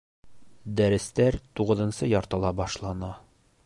Дәрестәр туғыҙынсы яртыла башлана.